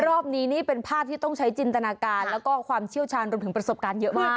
รอบนี้นี่เป็นภาพที่ต้องใช้จินตนาการแล้วก็ความเชี่ยวชาญรวมถึงประสบการณ์เยอะมาก